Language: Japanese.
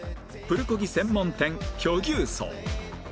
プルコギ専門店巨牛荘